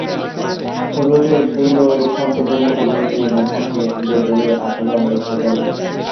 ভোটের দিনও শান্তিপূর্ণ পরিবেশ বজায় থাকবে বলে আশাবাদ ব্যক্ত করেন তিনি।